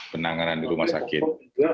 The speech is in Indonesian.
penanganan di rumah sakit